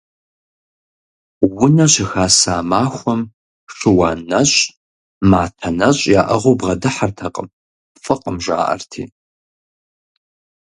Унэ щыхаса махуэм шыуан нэщӀ, матэ нэщӀ яӀыгъыу бгъэдыхьэртэкъым, фӀыкъым, жаӀэрти.